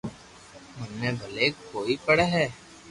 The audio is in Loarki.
مني پلي ڪوئي پڙي ھي